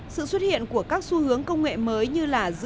sự xuất hiện của các xu hướng công nghệ mới như là dữ liệu